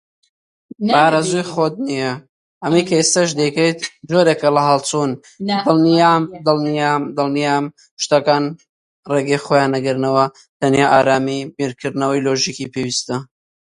هیچی نەبوو یاریدەی کوڕەکەی پێ بدا